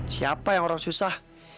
siapa yang orang susah